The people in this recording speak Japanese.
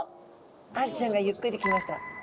アジちゃんがゆっくり来ました。